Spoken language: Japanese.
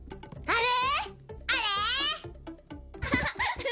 あれ？